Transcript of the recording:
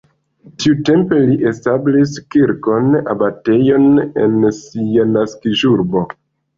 Tiutempe li establis kirkon, abatejon en sia naskiĝurbo.